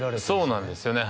そうなんですよね